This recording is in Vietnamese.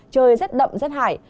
trời rất đậm rất hải